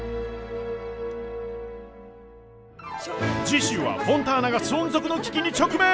次週はフォンターナが存続の危機に直面！